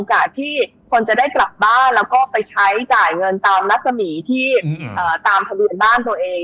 ที่คนจะได้กลับบ้านแล้วก็ไปใช้จ่ายเงินตามรัศมีที่ตามทะเบียนบ้านตัวเอง